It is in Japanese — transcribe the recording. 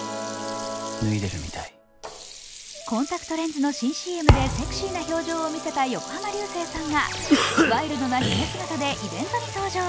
コンタクトレンズの新ＣＭでセクシーな表情を見せた横浜流星さんがワイルドなひげ姿でイベントに登場。